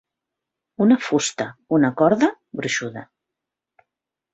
Una fusta, una corda, gruixuda.